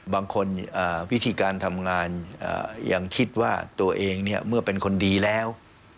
วิธีการทำงานยังคิดว่าตัวเองเนี่ยเมื่อเป็นคนดีแล้ว